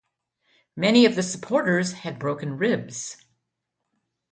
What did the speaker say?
Many of the supporters had broken ribs.